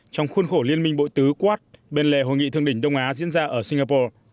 trong khuôn khổ liên minh bội tứ quát bên lề hội nghị thương đỉnh đông á diễn ra ở singapore